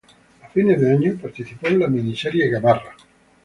A fines de año, participó en la miniserie "Gamarra".